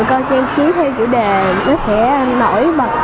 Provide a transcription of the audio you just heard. con trang trí theo chủ đề nó sẽ nổi bật